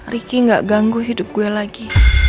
ricky gak ganggu hidup gue lagi